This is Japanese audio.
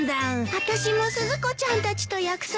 あたしもスズコちゃんたちと約束が。